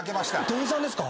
店員さんですか。